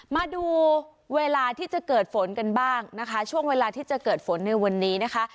มาดูเวลาที่จะเกิดฝนกันบ้างนะคะช่วงเวลาที่จะเกิดฝนในวันนี้นะคะ